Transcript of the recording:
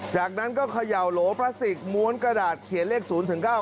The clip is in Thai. จากนั้นก็ขย่าวโหลปลาสติกระดาษเขียนเลขศูนย์ถึงเก้า